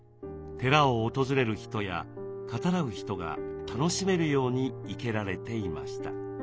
寺を訪れる人や語らう人が楽しめるように生けられていました。